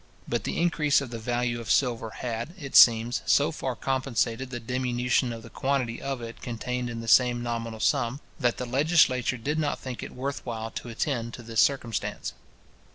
But the increase of the value of silver had, it seems, so far compensated the diminution of the quantity of it contained in the same nominal sum, that the legislature did not think it worth while to attend to this circumstance.